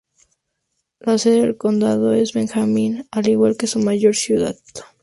La sede del condado es Benjamin, al igual que su mayor ciudad.